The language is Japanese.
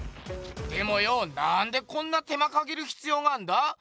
でもよなんでこんな手間かけるひつようがあんだ？